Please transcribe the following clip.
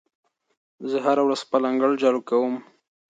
زه هره ورځ خپل انګړ جارو کوم.